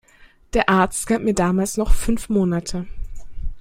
Der Arzt gab mir damals noch fünf Monate.